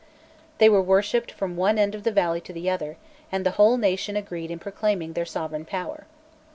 They were worshipped from one end of the valley to the other, and the whole nation agreed in proclaiming their sovereign power.